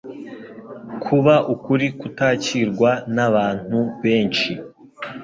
kuba ukuri kutakirwa n'abantu benshi